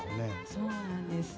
そうなんですよ。